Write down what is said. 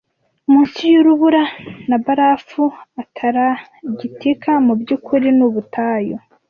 Munsi yurubura na barafu Antaragitika mubyukuri nubutayu